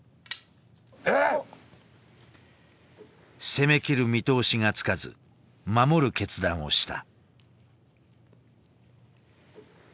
攻め切る見通しがつかず守る決断をした。